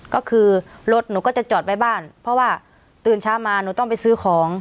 ก็คือรถหนูก็จะจอดไว้บ้านเพราะว่าตื่นเช้ามาหนูต้องไปซื้อของ